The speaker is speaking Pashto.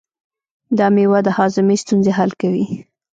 دا مېوه د هاضمې ستونزې حل کوي.